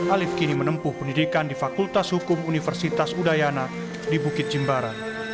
alif kini menempuh pendidikan di fakultas hukum universitas udayana di bukit jimbaran